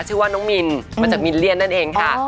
ชื่อว่าน้องมินมาจากมิลเลียนนั่นเองค่ะ